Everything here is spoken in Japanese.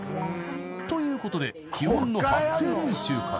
ということで基本の発声練習から］